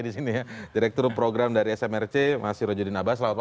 ini elektabilitasnya sudah going down